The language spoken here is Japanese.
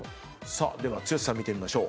では剛さん見てみましょう。